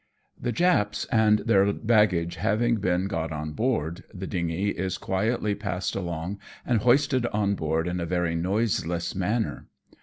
The Japs and their baggage having been got on board, the dingy is quietly passed along and hoisted on board in a very noiseless manner.